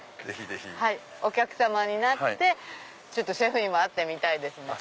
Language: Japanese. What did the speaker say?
お客様になってシェフにも会ってみたいですね。